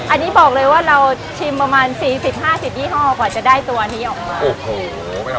อันนี้บอกเลยว่าเราชิมประมาณ๔๐๕๐ยี่ห้อกว่าจะได้ตัวนี้ออกมาโอ้โห